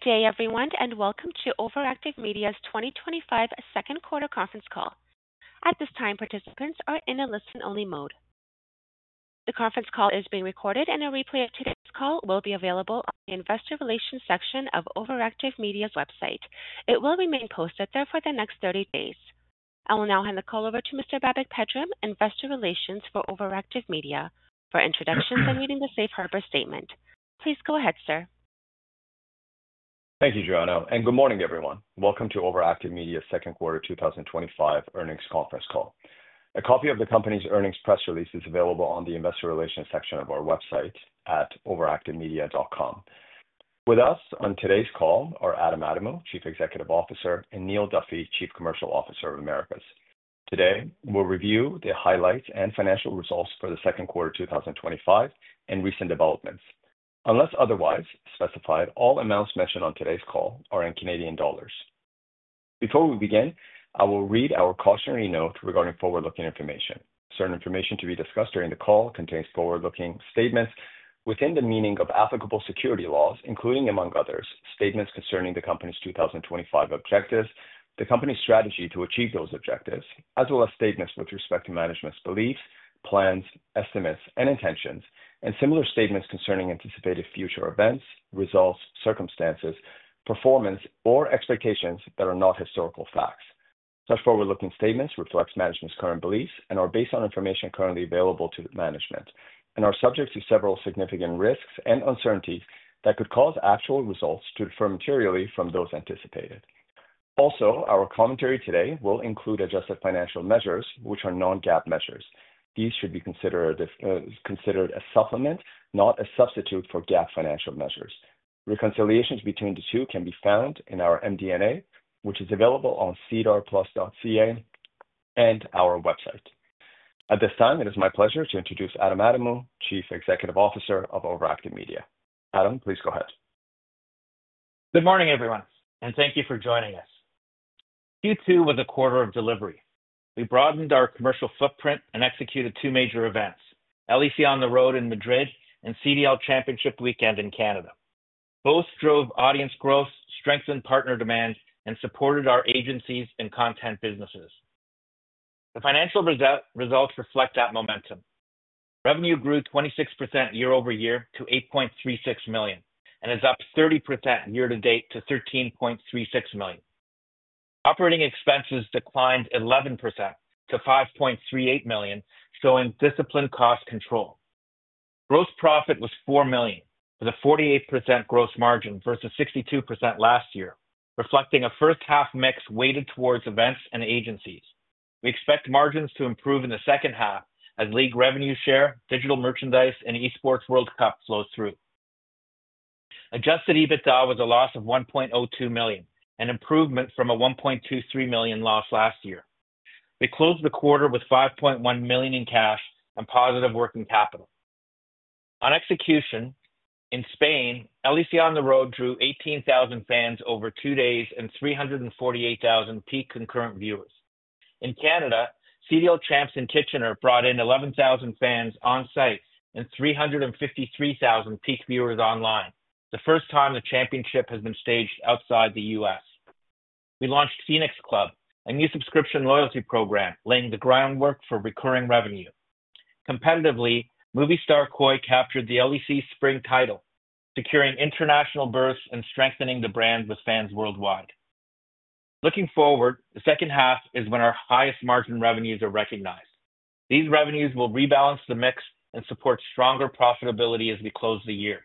Good day, everyone, and welcome to OverActive Media's 2025 Second Quarter Conference Call. At this time, participants are in a listen-only mode. The conference call is being recorded, and a replay of today's call will be available on the Investor Relations section of OverActive Media's website. It will remain posted there for the next 30 days. I will now hand the call over to Mr. Babak Pedram, Investor Relations for OverActive Media, for introductions and reading the safe harbor statement. Please go ahead, sir. Thank you, Joanna, and good morning, everyone. Welcome to OverActive Media's Second Quarter 2025 Earnings Conference Call. A copy of the company's earnings press release is available on the Investor Relations section of our website at overactivemedia.com. With us on today's call are Adam Adamou, Chief Executive Officer, and Neil Duffy, Chief Commercial Officer of Americas. Today, we'll review the highlights and financial results for the second quarter 2025 and recent developments. Unless otherwise specified, all amounts mentioned on today's call are in Canadian dollars. Before we begin, I will read our cautionary note regarding forward-looking information. Certain information to be discussed during the call contains forward-looking statements within the meaning of applicable security laws, including, among others, statements concerning the company's 2025 objectives, the company's strategy to achieve those objectives, as well as statements with respect to management's beliefs, plans, estimates, and intentions, and similar statements concerning anticipated future events, results, circumstances, performance, or expectations that are not historical facts. Such forward-looking statements reflect management's current beliefs and are based on information currently available to management and are subject to a number of significant risks and uncertainties that could cause actual results to differ materially from those anticipated. Also, our commentary today will include adjusted financial measures, which are non-GAAP measures. These should be considered a supplement, not a substitute for GAAP financial measures. Reconciliations between the two can be found in our MD&A, which is available on cedarplus.ca and our website. At this time, it is my pleasure to introduce Adam Adamou, Chief Executive Officer of OverActive Media. Adam, please go ahead. Good morning, everyone, and thank you for joining us. Q2 was a quarter of delivery. We broadened our commercial footprint and executed two major events: LEC on the Road in Madrid and CDL Championship Weekend in Canada. Both drove audience growth, strengthened partner demand, and supported our agencies and content businesses. The financial results reflect that momentum. Revenue grew 26% year-over-year to $8.36 million and is up 30% year to date to $13.36 million. Operating expenses declined 11% to $5.38 million, showing disciplined cost control. Gross profit was $4 million, with a 48% gross margin versus 62% last year, reflecting a first-half mix weighted towards events and agencies. We expect margins to improve in the second half as League revenue share, digital merchandise, and eSports World Cup flow through. Adjusted EBITDA was a loss of $1.02 million, an improvement from a $1.23 million loss last year. We closed the quarter with $5.1 million in cash and positive working capital. On execution, in Spain, LEC on the Road drew 18,000 fans over two days and 348,000 peak concurrent viewers. In Canada, CDL champs in Kitchener brought in 11,000 fans on site and 353,000 peak viewers online, the first time the championship has been staged outside the U.S. We launched Fénix Club, a new subscription loyalty program laying the groundwork for recurring revenue. Competitively, Movistar KOI captured the LEC Spring title, securing international berths and strengthening the brand with fans worldwide. Looking forward, the second half is when our highest margin revenues are recognized. These revenues will rebalance the mix and support stronger profitability as we close the year.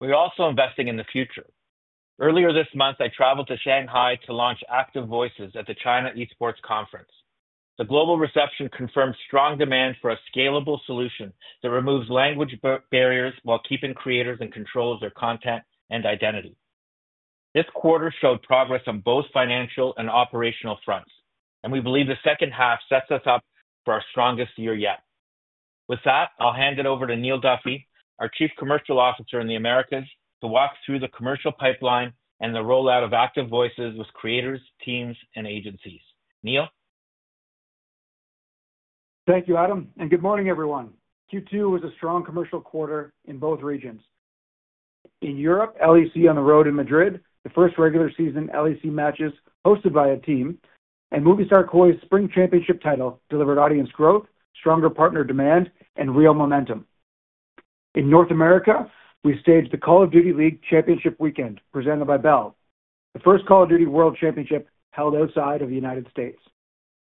We're also investing in the future. Earlier this month, I traveled to Shanghai to launch ActiveVoices at the China eSports Conference. The global reception confirmed strong demand for a scalable solution that removes language barriers while keeping creators in control of their content and identity. This quarter showed progress on both financial and operational fronts, and we believe the second half sets us up for our strongest year yet. With that, I'll hand it over to Neil Duffy, our Chief Commercial Officer of Americas, to walk through the commercial pipeline and the rollout of ActiveVoices with creators, teams, and agencies. Neil. Thank you, Adam, and good morning, everyone. Q2 was a strong commercial quarter in both regions. In Europe, LEC on the Road in Madrid, the first regular season LEC matches hosted by a team, and Movistar KOI's Spring Championship title delivered audience growth, stronger partner demand, and real momentum. In North America, we staged the Call of Duty Championship Weekend, presented by Bell, the first Call of Duty World Championship held outside of the United States.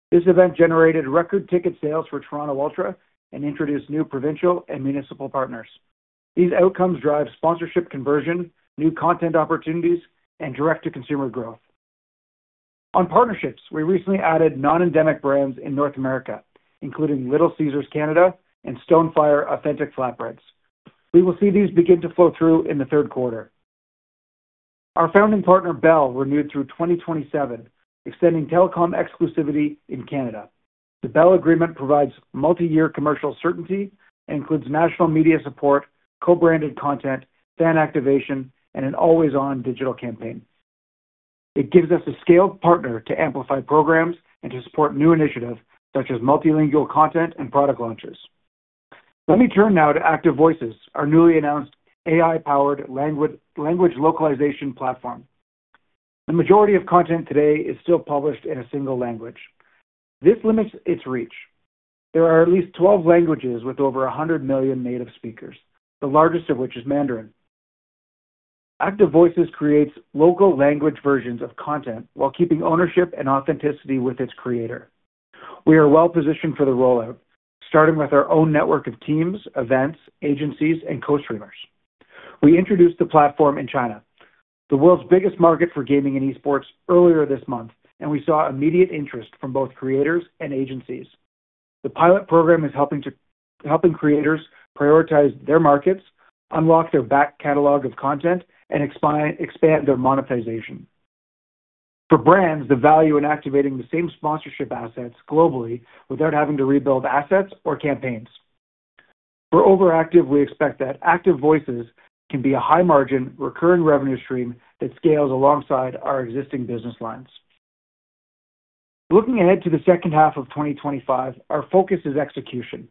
This event generated record ticket sales for Toronto Ultra and introduced new provincial and municipal partners. These outcomes drive sponsorship conversion, new content opportunities, and direct-to-consumer growth. On partnerships, we recently added non-endemic brands in North America, including Little Caesars Canada and Stonefire Authentic Flatbreads. We will see these begin to flow through in the third quarter. Our founding partner, Bell, renewed through 2027, extending telecom exclusivity in Canada. The Bell agreement provides multi-year commercial certainty and includes national media support, co-branded content, fan activation, and an always-on digital campaign. It gives us a scaled partner to amplify programs and to support new initiatives such as multilingual content and product launches. Let me turn now to ActiveVoices, our newly announced AI-powered language localization platform. The majority of content today is still published in a single language. This limits its reach. There are at least 12 languages with over 100 million native speakers, the largest of which is Mandarin. ActiveVoices creates local language versions of content while keeping ownership and authenticity with its creator. We are well positioned for the rollout, starting with our own network of teams, events, agencies, and co-streamers. We introduced the platform in China, the world's biggest market for gaming and eSports, earlier this month, and we saw immediate interest from both creators and agencies. The pilot program is helping creators prioritize their markets, unlock their back catalog of content, and expand their monetization. For brands, the value in activating the same sponsorship assets globally without having to rebuild assets or campaigns. For OverActive, we expect that ActiveVoices can be a high-margin, recurring revenue stream that scales alongside our existing business lines. Looking ahead to the second half of 2025, our focus is execution.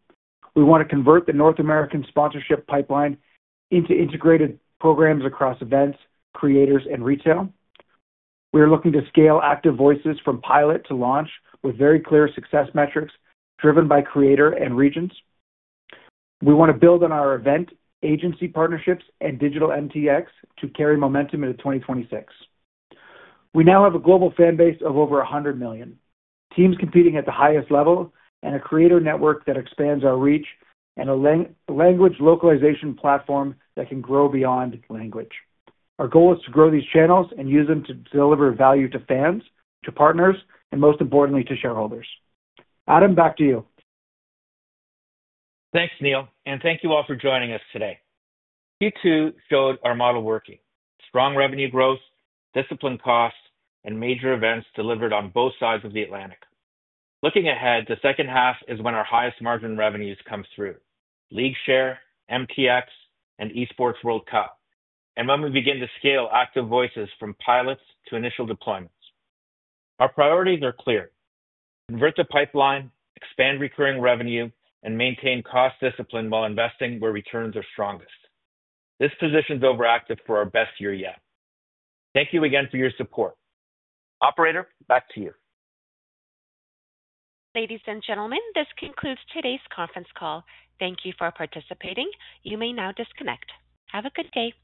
We want to convert the North American sponsorship pipeline into integrated programs across events, creators, and retail. We are looking to scale ActiveVoices from pilot to launch with very clear success metrics driven by creator and regions. We want to build on our event, agency partnerships, and digital NTX to carry momentum into 2026. We now have a global fan base of over 100 million, teams competing at the highest level, and a creator network that expands our reach, and a language localization platform that can grow beyond language. Our goal is to grow these channels and use them to deliver value to fans, to partners, and most importantly, to shareholders. Adam, back to you. Thanks, Neil, and thank you all for joining us today. Q2 showed our model working: strong revenue growth, disciplined cost, and major events delivered on both sides of the Atlantic. Looking ahead, the second half is when our highest margin revenues come through: League revenue share, NTX, and eSports World Cup, and when we begin to scale ActiveVoices from pilots to initial deployments. Our priorities are clear: convert the sponsorship pipeline, expand recurring revenue, and maintain cost discipline while investing where returns are strongest. This positions OverActive Media for our best year yet. Thank you again for your support. Operator, back to you. Ladies and gentlemen, this concludes today's conference call. Thank you for participating. You may now disconnect. Have a good day.